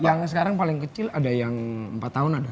yang sekarang paling kecil ada yang empat tahun ada